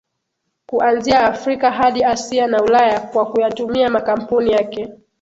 Kuanzia Afrika hadi Asia na Ulaya kwa kuyatumia makampuni yake